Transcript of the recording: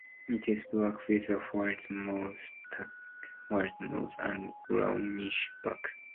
It is black with a white moustache, white nose, and brownish back.